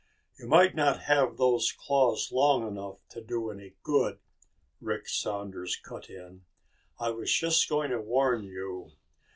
"You might not have those claws long enough to do any good," Rick Saunders cut in. "I was just going to warn you.